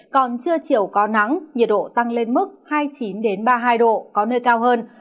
còn trưa chiều có nắng nhiệt độ tăng lên mức hai mươi chín ba mươi hai độ có nơi cao hơn